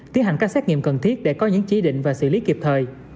tiến hành các xét nghiệm cần thiết để có những chỉ định và xử lý kịp thời